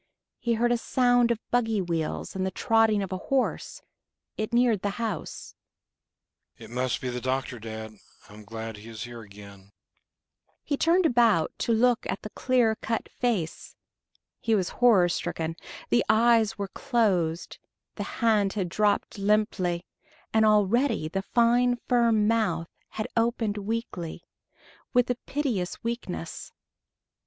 He heard a sound of buggy wheels and the trotting of a horse; it neared the house. "It must be the doctor, dad. I'm glad he is here again." He turned about to look at the clear cut face. He was horror stricken: the eyes were closed, the hand had dropped limply, and already the fine firm mouth had opened weakly, with a piteous weakness.